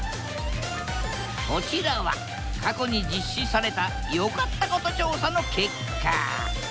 こちらは過去に実施された良かったこと調査の結果。